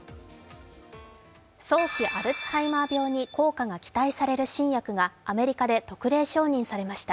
早期アルツハイマー病に効果が期待される新薬がアメリカで特例承認されました。